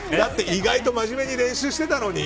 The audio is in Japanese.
意外と真面目に練習してたのに。